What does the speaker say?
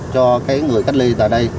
cho người cách ly tại đây